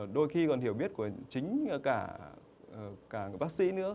đôi khi còn hiểu biết của chính cả bác sĩ nữa